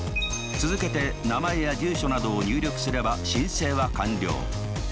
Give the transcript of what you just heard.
続けて名前や住所などを入力すれば申請は完了。